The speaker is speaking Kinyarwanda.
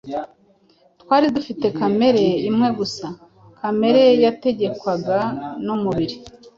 Twari dufite kamere imwe gusa:Kamere yategekwaga n’umubiri.